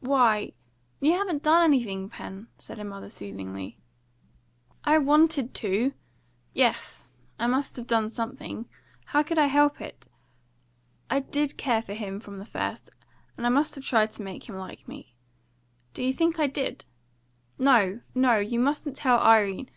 "Why, you haven't done anything, Pen," said her mother soothingly. "I wanted to! Yes, I must have done something. How could I help it? I did care for him from the first, and I must have tried to make him like me. Do you think I did? No, no! You mustn't tell Irene!